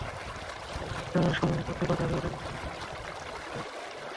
দ্বিতীয়ার্ধে আর্সেনালের সামনে পথে বাধা হয়ে দাঁড়িয়েছেন বার্সা গোলরক্ষক মার্ক আন্দ্রে টের-স্টেগেন।